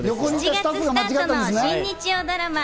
７月スタートの新日曜ドラマ